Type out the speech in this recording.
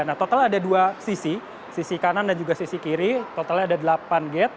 nah total ada dua sisi sisi kanan dan juga sisi kiri totalnya ada delapan gate